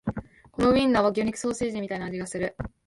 このウインナーは魚肉ソーセージみたいな味がする